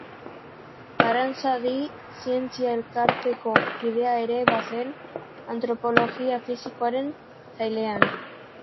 Aranzadi Zientzia Elkarteko kidea ere bazen, Antropologia Fisikoaren sailean.